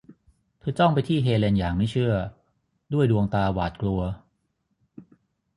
เธอจ้องไปที่เฮเลนอย่างไม่เชื่อด้วยดวงตาหวาดกลัว